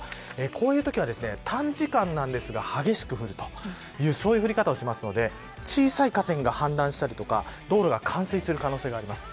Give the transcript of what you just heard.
こういうときは短時間ですが激しく降るという降り方をしますので小さい河川が氾濫したり道路が冠水する可能性があります。